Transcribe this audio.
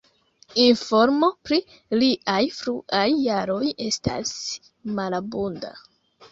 Informo pri liaj fruaj jaroj estas malabunda.